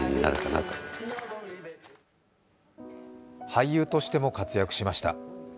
俳優としても活躍しました。